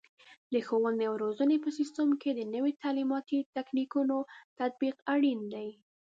د ښوونې او روزنې په سیستم کې د نوي تعلیماتي تکتیکونو تطبیق اړین دی.